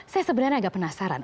saya sebenarnya agak penasaran